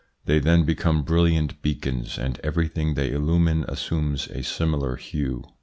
They then become brilliant beacons, and everything they illumine assumes a similar hue.